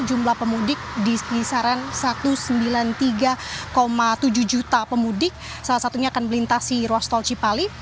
jumlah pemudik di kisaran satu ratus sembilan puluh tiga tujuh juta pemudik salah satunya akan melintasi ruas tol cipali